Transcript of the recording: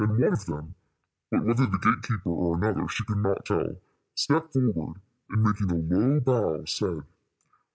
"] Then one of them, but whether the gate keeper or another she could not tell, stepped forward, and making a low bow, said.